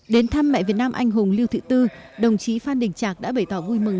đến thăm mẹ việt nam anh hùng lưu thị tư đồng chí phan đình trạc đã bày tỏ vui mừng